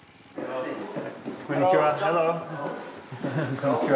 こんにちは。